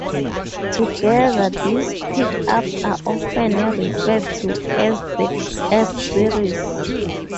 Together, these pickups are often referred to as the S-series.